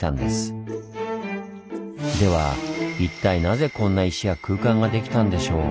では一体なぜこんな石や空間ができたんでしょう？